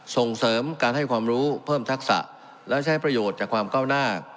ส่งเสริมการให้ความรู้เพิ่มทักษะและใช้ประโยชน์จากความก้าวหน้า